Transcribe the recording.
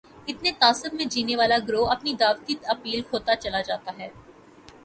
اپنے تعصب میں جینے والا گروہ اپنی دعوتی اپیل کھوتا چلا جاتا ہے۔